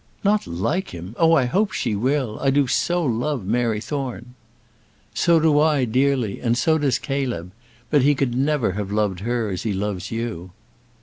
"Not like him! oh I hope she will; I do so love Mary Thorne." "So do I, dearly; and so does Caleb; but he could never have loved her as he loves you."